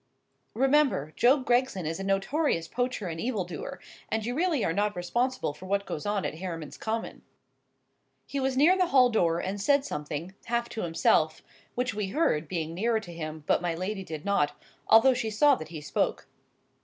"Remember, Job Gregson is a notorious poacher and evildoer, and you really are not responsible for what goes on at Hareman's Common." He was near the hall door, and said something—half to himself, which we heard (being nearer to him), but my lady did not; although she saw that he spoke.